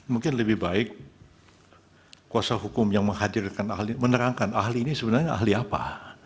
mungkin lebih baik kuasa hukum yang menghadirkan ahli menerangkan ahli ini sebenarnya ahli apa